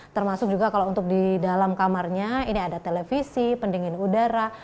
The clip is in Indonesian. termasuk juga kalau untuk di dalam kamarnya ini ada televisi pendingin udara